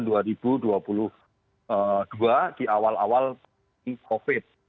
di awal awal covid